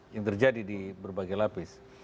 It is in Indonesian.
yang terjadi di berbagai lapis